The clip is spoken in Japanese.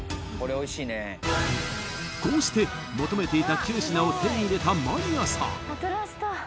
こうして求めていた９品を手に入れたマニアさん